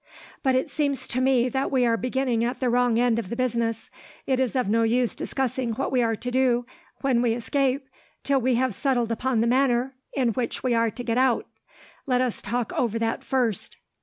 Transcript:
"But it seems to me that we are beginning at the wrong end of the business. It is of no use discussing what we are to do, when we escape, till we have settled upon the manner in which we are to get out. Let us talk over that first.